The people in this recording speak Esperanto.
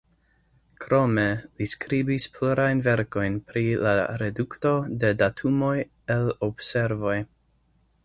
Krome, li skribis plurajn verkojn pri la redukto de datumoj el observoj.